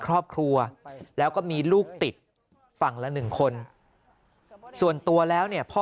ครอบครัวแล้วก็มีลูกติดฝั่งละหนึ่งคนส่วนตัวแล้วเนี่ยพ่อ